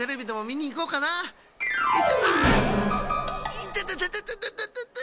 いててててててて。